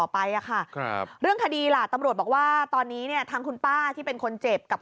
พอมันตาย